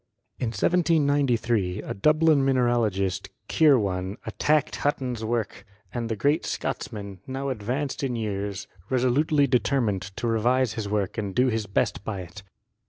In 1793 a Dublin mineralogist, Kirwan, attacked Hut ton's work, and the great Scotsman, now advanced in years, resolutely determined to revise his work and do his best by it.